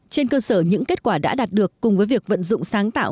trên cơ sở những kết quả đã đạt được cùng với việc vận dụng sáng tạo